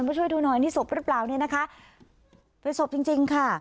ช่วยดูหน่อยนี่ศพหรือเปล่าเนี่ยนะคะเป็นศพจริงจริงค่ะ